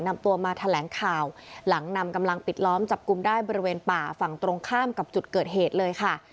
นำตัวมาแถลงข่าวหลังนำกำลังปิดล้อมจับกลุ่มได้บริเวณป่าฝั่งตรงข้ามกับจุดเกิดเหตุเลยค่ะ